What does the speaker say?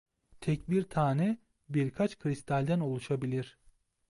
Tek bir tane birkaç kristalden oluşabilir.